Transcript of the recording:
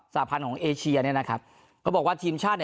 สาพันธ์ของเอเชียเนี่ยนะครับก็บอกว่าทีมชาติ